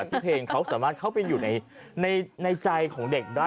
เพลงเขาสามารถเข้าไปอยู่ในใจของเด็กได้